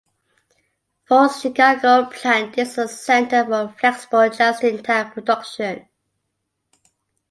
Ford's Chicago plant is a center for flexible just-in-time production.